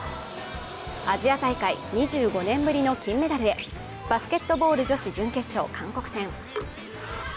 アジア大会２５年ぶりの金メダルへバスケットボール女子準決勝韓国戦